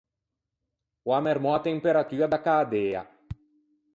Ò ammermou a temperatua da cädea.